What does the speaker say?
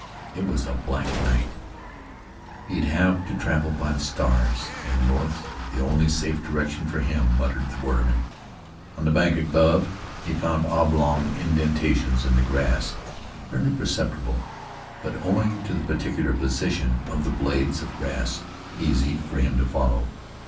"It was a black night. He'd have to travel by the stars, an' north's the only safe direction for him," muttered the borderman. On the bank above he found oblong indentations in the grass, barely perceptible, but owing to the peculiar position of the blades of grass, easy for him to follow.